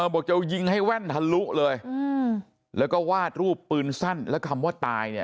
บอกจะยิงให้แว่นทะลุเลยแล้วก็วาดรูปปืนสั้นแล้วคำว่าตายเนี่ย